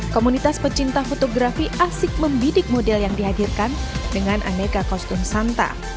komunitas pecinta fotografi asik membidik model yang dihadirkan dengan aneka kostum santa